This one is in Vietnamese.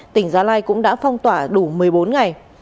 tỉnh gia lai cũng đã phong tỏa đủ một mươi bốn ngày